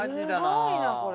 すごいなこれ。